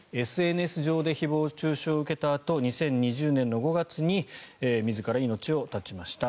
ＳＮＳ上で誹謗・中傷を受けたあと２０２０年の５月に自ら命を絶ちました。